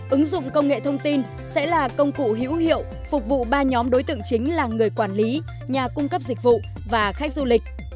ứng dụng công nghệ thông tin sẽ là công cụ hữu hiệu phục vụ ba nhóm đối tượng chính là người quản lý nhà cung cấp dịch vụ và khách du lịch